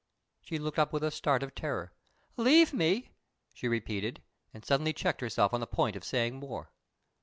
She looked up with a start of terror. "Leave me?" she repeated, and suddenly checked herself on the point of saying more.